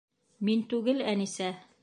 Мин түгел, Әнисә.